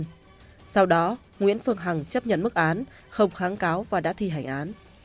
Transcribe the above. sau đó nguyễn phương hằng chấp nhận mức án không kháng cáo và đã thi hành án